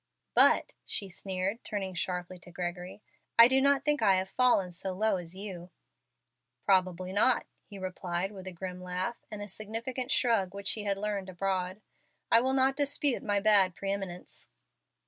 But," she sneered, turning sharply to Gregory, "I do not think I have fallen so low as you." "Probably not," he replied, with a grim laugh, and a significant shrug which he had learned abroad. "I will not dispute my bad pre eminence.